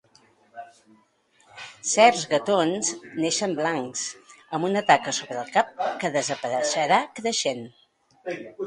Certs gatons neixen blancs amb una taca sobre el cap que desapareixerà creixent.